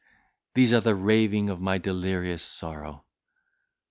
these are the raving of my delirious sorrow!